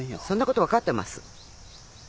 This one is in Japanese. そんなことわかってます！